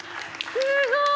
すごーい！